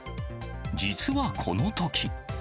実はこのとき。